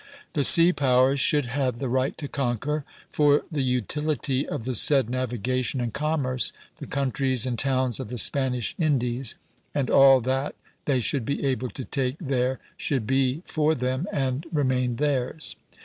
The sea powers should have the right to conquer, for the utility of the said navigation and commerce, the countries and towns of the Spanish Indies; and all that they should be able to take there should be for them and remain theirs.